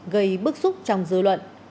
gây bức xúc trong dư luận